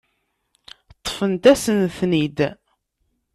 Ṭṭfent-asen-ten-id.